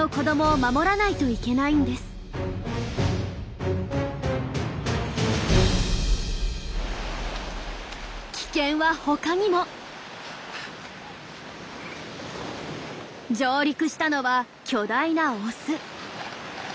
上陸したのは巨大なオス。